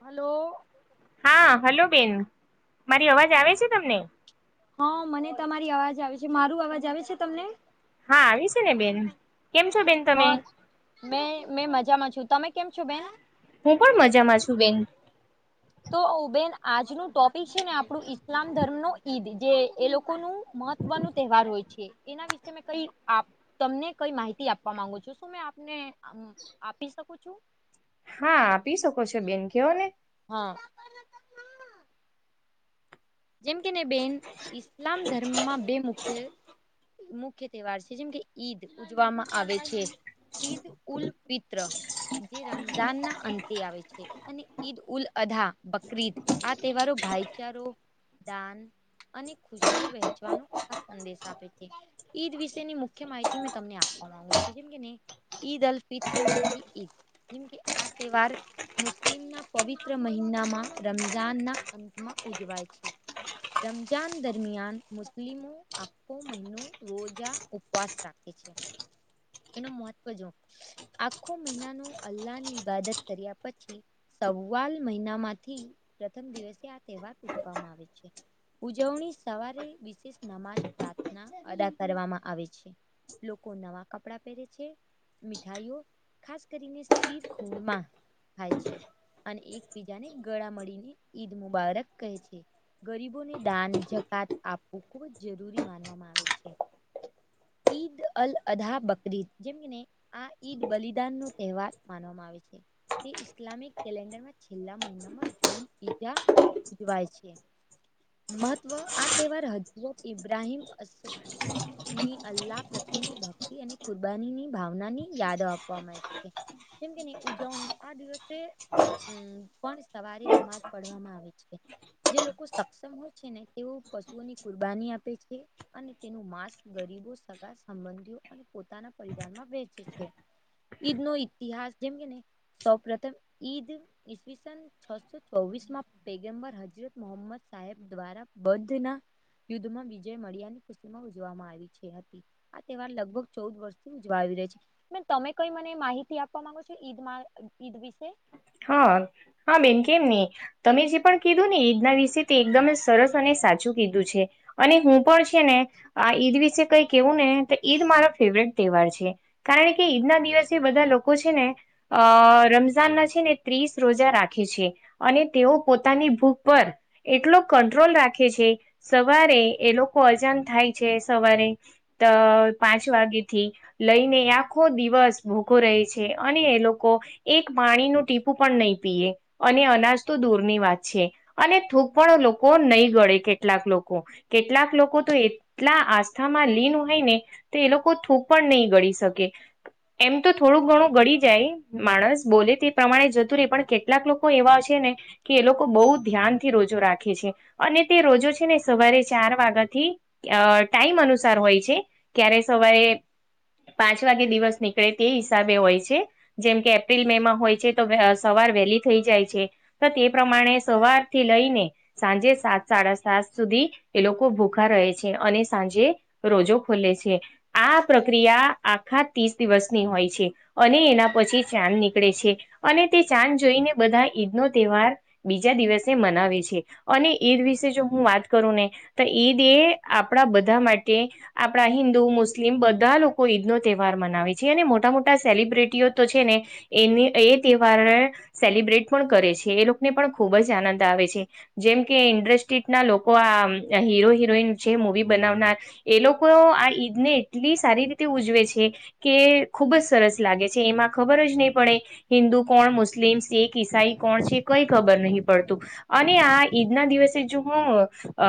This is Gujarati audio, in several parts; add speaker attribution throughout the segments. Speaker 1: હલો
Speaker 2: હા હલો બેન મારી અવાજ આવે છે તમને
Speaker 1: હા મને તમારી અવાજ આવે છે મારું અવાજ આવે છે તમને
Speaker 2: હા આવી છે ને બેન કેમ છો બેન તમે
Speaker 1: મે મેં મજામાં છું તમે કેમ છો બેન
Speaker 2: હું પણ મજામાં છું બેન
Speaker 1: તો ઉબેન આજનું ટોપિક છે ને આપણું ઈસ્લામ ધર્મ નું ઈદ જે એ લોકોનું મહત્વનું તહેવાર હોય છે એના વિ તમને ક માહિતી આપવા માંગુ છ શું મે આપને આપી શકું છું
Speaker 2: હા આપી શકો છો બેન કેવો ને
Speaker 1: હા જેમ કે ને બેન ઇસ્લામ ધર્મમાં બે મુખ્ય મુખ્ય તહેવાર છે જેમ કે ઈદ ઉજવામાં આવે છે ઈદ ઉલ ફિત્ર જે રમજાન ના અંતે આવે છે અને ઈદ ઉલ અધા બકરીદ આ તહેવારો ભાઈચારો દાન અને ખુશીઓ વહેચવાનો આ સંદેશ આપે છે ઈદ વિશેની મુખ્ય માહિતી મેં તમને આપવા માંગુ છું જેમ કે નહી ઈદ અલફિત્ર મીઠી ઈદ જેમકે આ તહેવાર મુસ્લિમના પવિત્ર મહિનામાં રમઝાનના અંતમાં ઉજવાય છે રમજાન દરમિયાન મુસ્લિમો આખો મહિનો રોજા ઉપવાસ રાખે છે. એનું મહત્વ જો આખો મહિના નો અલ્લાહની ઈબાદત કર્યા પછી સવાલ મહિના માંથી પ્રથમ દિવસે આ તહેવાર ઉજવામાં આવે છે. ઉજવણી સવારે વિશેષ નમાજ, પ્રાર્થના અદા કરવામાં આવે છે. લોકો નવા કપડા પહેરે છે. મીઠાઈઓ ખાસ કરીને શિર ખૂણમાં ખાય છે અને એકબીજા ને ગળા મળીને ઈદ મુબારક કહે છે. ગરીબોને દાન, જકાત આપવું ખુબ જ જરૂરી માનવામાં આવે છે. ઈદ અલ અધા બકરીદ જેમને આ ઈદ બલિદાન નો તહેવાર માનવામાં આવે છે. તે ઈસ્લામિક કેલેન્ડરમાં છેલ્લા મહિનામાં જૂન ઈજા ઉજવાય છે. મહત્વ આ તહેવાર હજરત ઇબ્રાહીમની અલ્લાહ પ્રત્યેની ભક્તિ અને કુરબાનીની ભાવનાની યાદો આપવામાં આવી છે. કેમ કે એની ઉજવણી આ દિવસે હમ્મ પણ સવારે નમાજ પઢવામાં આવે છે. જે લોકો સક્ષમ હોય છે ને તેઓ પશુઓની કુરબાની આપે છે. અને તેનું માંસ ગરીબો, સગા સંબંધીઓ અને પોતાના પરિવારમાં વેચે છે. ઈદ નો ઇતિહાસ જેમ કે ને સૌ પ્રથમ ઈદ ઈસવીસન છસો ચોવીસ માં પેગમબર હજરત મોહમ્મદ સાહેબ દ્વારા બદ્ધ ના યુદ્ધમાં વિજય મળ્યાની કુસ્તીમાં ઉજવામાં આવી છે. આ તહેવાર લગભગ ચૌદ વર્ષથી ઉજવા આવી રહ્યા છે. બેન તમે કઈ મને માહિતી આપવા માંગો છો ઈદ મા ઈદ વિશે.
Speaker 2: હા હા બેન કેમ ની. તમે જે પણ કીધું ને ઈદના વિશે તે એકદમ સરસ અને સાચું કીધું છે. અને હું પણ છે ને આ ઈદ વિશે કઈ કેવું ને તો ઈદ મારો ફેવરેટ તહેવાર છે. કારણ કે ઈદના દિવસે બધા લોકો છે ને અ રમઝાનના છે ને ત્રીસ રોજા રાખે છે અને તેઓ પોતાની ભૂખ પર એટલો કંટ્રોલ રાખે છે સવારે એ લોકો અજાન થાય છે સવારે તો પાંચ વાગેથી. લઈને આખો દિવસ ભૂખો રહે છે અને એ લોકો એક પાણીનું ટીપું ટીપું પણ નહીં પીએ અને અનાજ તો દૂરની વાત છે. અને થૂક પણ લોકો નહીં ગળે કેટલાક લોકો. કેટલાક લોકો તો એટલા આસ્થામાં લીન હોય ને તે એ લોકો થૂક પણ નહીં ગડી શકે. એમ તો થોડુંક ઘણું ઘડી જાય માણસ બોલે તે પ્રમાણે જતુ રેહ પણ કેટલાક લોકો એવા છે ને કે એ લોકો બહુ ધ્યાનથી રોજો રાખે છે અને તે રોજો છે ને સવારે ચાર વાગ્યાથી અ ટાઈમ અનુસાર હોય છે ક્યારે સવારે પાંચ વાગે દિવસ નીકળે તે હિસાબે હોય છે જેમ કે એપ્રિલ મે માં હોય છે. તો અ સવાર વહેલી થઈ જાય છે તો તે પ્રમાણે સવારથી લઈને સાંજે સાત સાડા સાત સુધી એ લોકો ભૂખા રહે છે અને સાંજે રોજો ખોલે છે. આ પ્રક્રિયા આખા ત્રીસ દિવસની હોય છે. અને એના પછી ચાંદ નીકળે છે અને તે ચાંદ જોઈને બધા ઈદ નો તહેવાર બીજા દિવસે મનાવે છે અને એ વિશે જો હું વાત કરું ને. તો ઈદ એ આપણા બધા માટે આપણા હિન્દુ, મુસ્લિમ બધા લોકો ઈદનો તહેવાર મનાવે છે અને મોટા-મોટા સેલિબ્રિટીઓ તો છે ને એની એ તહેવાર સેલિબ્રેટ પણ કરે છે એ લોકોને પણ ખૂબ જ આનંદ આવે છે. જેમ કે ઇન્ડસ્ટ્રીના લોકો આ હીરો, હિરોઈન છે મુવી બનાવનાર. એ લોકો આ ઈદને એટલી સારી રીતે ઉજવે છે. કે ખુબ જ સરસ લાગે છે એમાં ખબર જ નહી પડે, હિન્દુ કોણ, મુસ્લિમ, શીખ, ઈસાઈ કોણ છે કઈ ખબર નહી પડતું. અને આ ઈદ ના દિવસે જો હું અ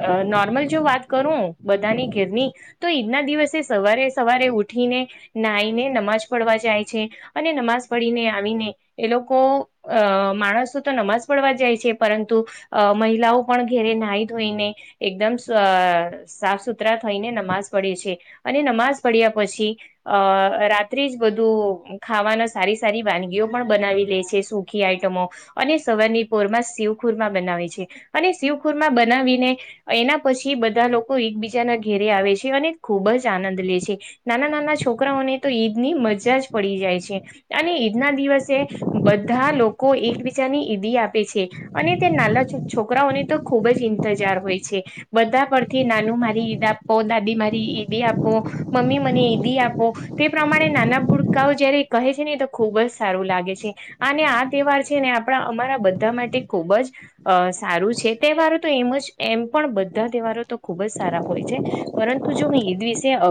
Speaker 2: અ નોર્મલ જો વાત કરું બધાની ઘેરની તો ઈદના દિવસે સવારે સવારે ઉઠીને નાઈને નમાજ પડવા જાય છે અને નમાઝ પડીને આવીને એ લોકો અ માણસ તો તો નમાજ પડવા જાય છે પરંતુ અ મહિલાઓ પણ ઘેરે નાહી ધોઈને એકદમ સાફ સુથરા થઈને નમાઝ પડે છે અને નમાઝ પડ્યા પછી અ રાત્રિ જ બધું ખાવાના સારી સારી વાનગીઓ પણ બનાવી લે છે સૂખી આઈટમો. અને સવારની પોરમાં શિવખુરમા બનાવે છે અને શિવખુરમા બનાવીને એના પછી બધા લોકો એકબીજાના ઘેરે આવે છે અને ખૂબ જ આનંદ લે છે. નાના નાના છોકરાઓને તો ઈદ ની મજા જ પડી જાય છે. અને ઈદના દિવસે બધા લોકો એકબીજા ની ઈદી આપે છે. અને તે નાના છોકરાઓની તો ખૂબ જ ઇંતજાર હોય છે. બધા પરથી નાનું મારી ઈદ આપો દાદી મારી ઈદ આપો. મમ્મી મને એદી આપો તે પ્રમાણે નાના ભુરકાઓ જયારે કહે ને તો ખુબ જ સારું લાગે છે અને આ તહેવાર છે ને આપણા અમારા બધા માટે ખૂબ જ અ સારું છે તહેવારો તો એમ જ એમ પણ બધા તહેવારો તો ખૂબ જ સારા હોય છે. પરંતુ જો ઈદ વિશે અ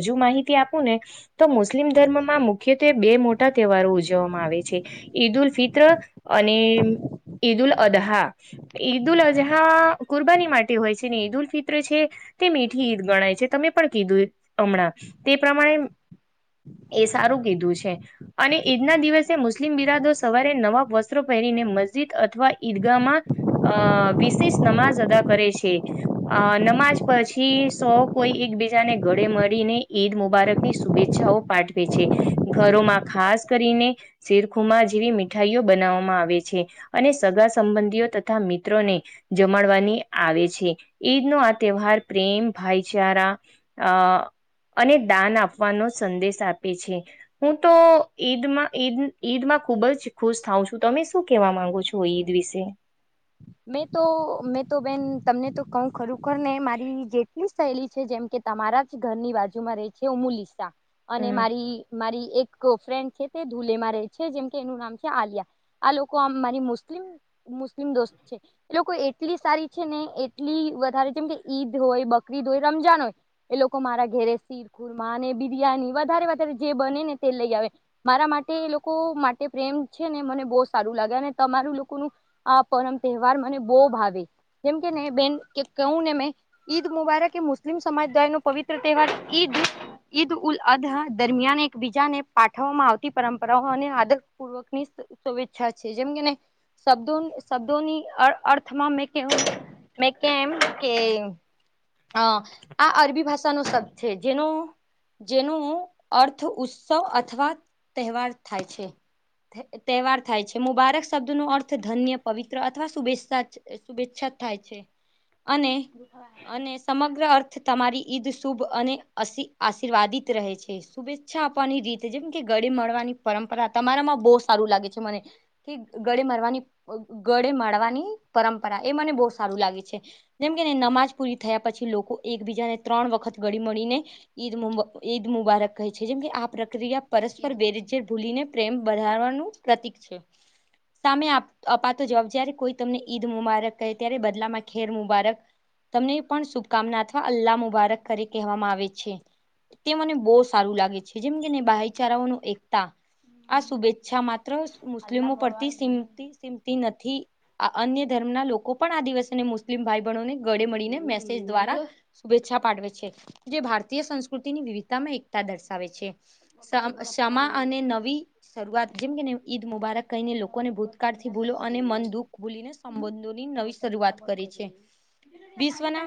Speaker 2: હજુ માહિતી આપું ને તો મુસ્લિમ ધર્મમાં મુખ્યત્વે બે મોટા તહેવારો ઉજવવામાં આવે છે, ઈદ ઉલ ફિત્ર અને ઈદ ઉલ અદહા. ઈદ ઉલ અજહા કુરબાની માટે હોય છે ને ઈદ ઉલ ફિત્ર છે તે મીઠી ઈદ ગણાય છે તમે પણ કીધું હમણાં તે પ્રમાણે એ સારું કીધું છે. અને ઈદના દિવસે મુસ્લિમ બિરાદો સવારે નવા વસ્ત્રો પહેરીને મસ્જિદ અથવા ઈદગાહમાં અ વિશેષ નમાજ અદા કરે છે. નમાજ પછી સૌ કોઈ એકબીજાને ગળે મળીને ઈદ મુબારકની શુભેચ્છાઓ પાઠવે છે. ઘરોમાં ખાસ કરીને શેરખુમા જેવી મીઠાઈઓ બનાવવામાં આવે છે. અને સગા સંબંધીઓ તથા મિત્રોને જમાડવાની આવે છે ઈદ નો આ તહેવાર પ્રેમ, ભાઈચારા અ અને દાન આપવાનો સંદેશ આપે છે. હું તો ઈદમાં ઈદ ઈદમાં ખુબ જ ખુશ થાઉં છું. તમે શું કેહેવા માંગો છો ઈદ વિશે?
Speaker 1: મેં તો મેં તો બેન તમને તો કઉ ખરેખર ને મારી જેટલી શૈલી છે જેમ કે તમારા જ ઘરની બાજુમાં રહે છે મુલિસા અને
Speaker 2: હમ
Speaker 1: મારી મારી એક ફ્રેન્ડ છે તે ધૂલેમાં રહે છે જેમ કે એનું નામ છે આલિયા. આ લોકો આ મારી મુસ્લિમ મુસ્લિમ દોસ્ત છે. એ લોકો એટલી સારી છે ને એટલી વધારે જેમ કે ઈદ હોય, બકરીદ હોય, રમજાન હોય એ લોકો મારા ઘેરે શિરખુરમા, બિરિયાની વધારે વધારે જે બને ને તે લઈ આવે. મારા માટે એ લોકો માટે પ્રેમ છે ને મને બહુ સારું લાગે અને તમારું લોકોનું આ પરમ તહેવાર મને બહુ ભાવી. જેમ કે ને બેન કે કહું ને મેં ઈદ મુબારક એ મુસ્લિમ સમાજ દ્વાય નો પવિત્ર તહેવાર ઈદ ઈદ ઉલ અદ દરમિયાન એકબીજાને પાઠવવામાં આવતી પરંપરાઓ અને આદરપૂર્વક ની શુભેચ્છા છે. જેમ કેને શબ્દો શબ્ દોની અ અર્થમાં મે કે મે કેમ કે હા આ અરબી ભાષાનો શબ્દ છે જેનો જેનો અર્થ ઉત્સવ અથવા તહેવાર થાય છે. તહેવાર થાય છે, મુબારક શબ્દ નો અર્થ ધન્ય પવિત્ર અથવા શુભેચ્છા શુભેચ્છા થાય છે, અને અને સમગ્ર અર્થ તમારી ઈદ શુભ અને અશી આશીર્વાદિત રહે છે શુભચ્છ ઈચ્છા આપવાની રીતે જેમ કે ગળી મળવાની પરંપરા તમારામાં બહુ સારું લાગે છે મને કે ગળે મારવાની ગળે મારવાની પરંપરા એ મને બહુ સારું લાગે છે. જેમ કે નમાજ પૂરી થયા પછી લોકો એકબીજાને ત્રણ વખત ગડી મળીને ઈદ ઈદ મુબારક કહે છે જેમ કે આ પ્રક્રિયા પરસ્પર બેરજયર ભૂલીને પ્રેમ બંધાવાનું પ્રતીક છે, સામે આપ અપાતો જવાબ જયારે કોઈ તમને ઈદ મુબારક કહે ત્યારે બદલામાં ખેર મુબારક તમને પણ શુભકામના અથવા અલ્લાહ મુબારક કરી કહેવામાં આવે છે. તે મને બહુ સારું લાગે છે જેમ કેને ભાઈચારાઓ નુ એકતા આ શુભેચ્છા માત્ર મુસ્લિમો પરથીતી સિમતી સિમતી નથી. આ અન્ય ધર્મ ના લોકો પણ આ દિવસેને મુસ્લિમ ભાઈ બણને ગળે મળીને મેસેજ દ્વારા શુભેચ્છા પાઠવે છે જે ભારતીય સંસ્કૃતિની વિવિધતામાં એકતા દર્શાવે છે. સ સમા અને નવી શરૂઆત જેમ કેને ઈદ મુબારક કહીને લોકોને ભૂત ર થી ભૂલો અને મન દુઃખ ભૂલીને સંબંધોની નવી શરૂઆત કરી છે. વિશ્વના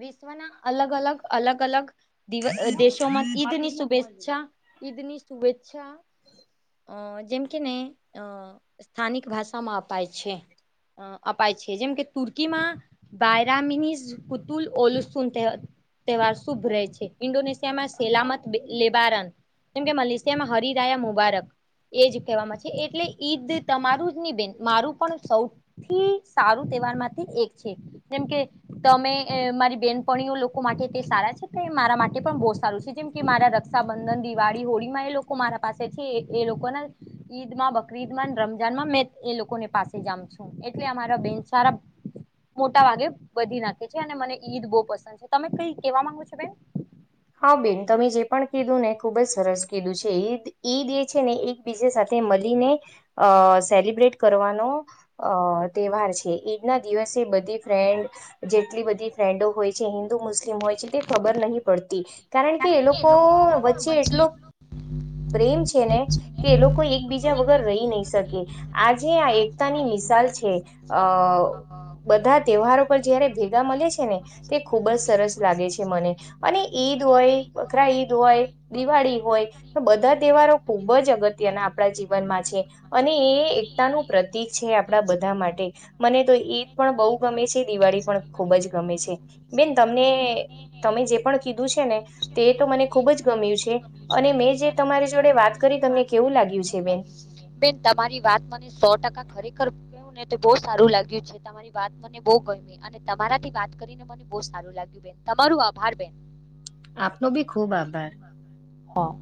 Speaker 1: વિશ્વના અલગ અલગ અલગ અલગ દિવ દેશોમાં ઈદ ની શુભેચ્છા ઈદ ની શુભેચ્છા અ જેમ કે ને અ સ્થાનિક ભાષામાં અપાય છે. અ અપાય છે જેમ કે તુર્કીમાં બાયરા મિનીઝ કુતુલ ઓલુસુનતેહ તહેવાર શુભ રહે છે ઇન્ડોનેશિયામાં સેલામત લેબારન જેમ કે મલેશિયામાં હરિરાયા મુબારક એજ કહેવામાં છે એટલે ઈદ તમારું જ ની બેન મારું પણ સૌથી સારું તહેવાર માંથી એક છે જેમ કે તમે મારી બેનપણીઓ લોકો માટે તે સારા છે તે મારા માટે પણ બહુ સારું છે. જેમ કે મારા રક્ષાબંધન, દિવાળી, હોળી માં એ લોકો મારા પાસે છે એ લોકો ના ઈદમાં બકરીદમાં રમ રમજાન માં એ લોકોની પાસે જામ છું એટલે અમારા બેન સારા મોટા ભાગે બધી નાખે છે, અને મને ઈદ બહુ પસંદ છે તમે કઈ કેવા માંગો છો બેન
Speaker 2: હા બેન તમે જે પણ કીધું ને ખુબ જ સરસ કીધું છે, ઈદ ઈદ એ છે ને એક બીજે સાથે મળીને અ સેલિબ્રેટ કરવાનો અ તહેવાર છે ઈદ ના દિવસે બધી ફ્રેન્ડ જેટલી બધી ફ્રેન્ડો હોય છે, હિન્દુ મુસ્લિમ હોય છે તે ખબર નહીં પડતી કારણ કે એ લોકો વચ્ચે એટલો પ્રેમ છે ને કે એ લોકો એકબીજા વગર રહી નહી શકે આજે આ એકતાની મિસાલ છે, અ બધા તહેવારો પર જયારે ભેગા મળે છે ને તે ખૂબ જ સરસ લાગે છે મને અને ઈદ હોય, બખરા ઈદ હોય, દિવાળી હોય, તો બધા તહેવારો ખૂબ જ અગત્ય આપણા જીવનમાં છે અને એ એકતાનું પ્રતિક છે આપણા બધા માટે મને તો ઈદ પણ બહુ ગમે છે, દિવાળી પણ ખૂબ જ ગમે છે. બેન તમને તમે જે પણ કીધું છે ને તે તો મને ખુબ જ ગમ્યું છે, અને મેં જે તમારી જોડે વાત કરી તમને કેવું લાગ્યું છે બેન
Speaker 1: બેન તમારી વાત મને સો ટકા ખરેખર ને તો બહ સારું લાગ્યું છે તમારી વાત મને બહુ ગમે અને તમારાથી વાત કરીને મને બહુ સારું લાગ્યું બેન તમારું આભાર બેન.
Speaker 2: આપનો ભી ખુબ આભાર.
Speaker 1: હા.